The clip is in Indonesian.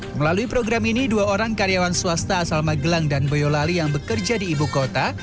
melalui program ini dua orang karyawan swasta asal magelang dan boyolali yang bekerja di ibu kota